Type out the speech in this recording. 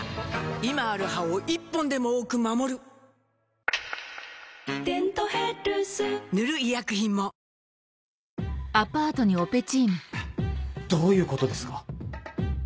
今ある歯を１本でも多く守る「デントヘルス」塗る医薬品もどういうことですか？